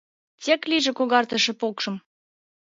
Тек лийже Когартыше покшым.